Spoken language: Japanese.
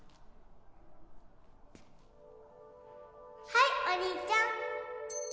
はいお兄ちゃん